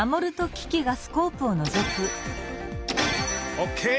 オーケー！